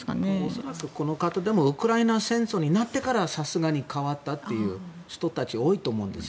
恐らくこの方はウクライナ戦争になってからさすがに変わったという人たちが多いと思うんです。